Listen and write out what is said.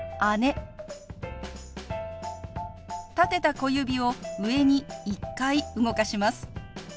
立てた小指を上に１回動かします。